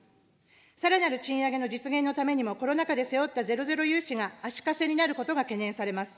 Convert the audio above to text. さらなる賃上げの実現のためにも、コロナ禍で背負ったゼロゼロ融資が足かせになることが懸念されます。